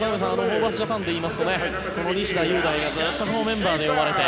ホーバスジャパンでいいますと西田優大がずっとメンバーで呼ばれて。